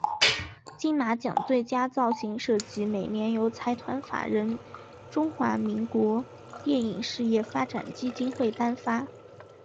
金马奖最佳造型设计每年由财团法人中华民国电影事业发展基金会颁发。